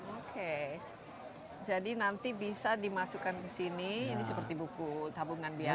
oke jadi nanti bisa dimasukkan ke sini ini seperti buku tabungan biasa